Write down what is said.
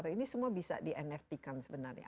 ini semua bisa di nft kan sebenarnya apa